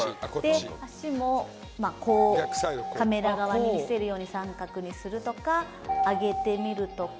脚もカメラ側に見せるように三角にするとか上げてみるとか。